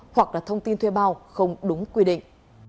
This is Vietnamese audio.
hoặc là thông tin thuê bao không đúng quy định